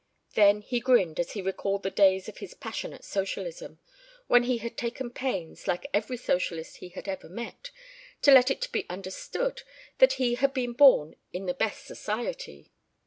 ... Then he grinned as he recalled the days of his passionate socialism, when he had taken pains, like every socialist he had ever met, to let it be understood that he had been born in the best society.